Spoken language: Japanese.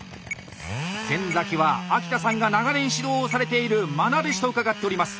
先は秋田さんが長年指導をされているまな弟子と伺っております。